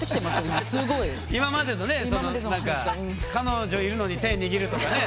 今までのねそのなんか彼女いるのに手握るとかね。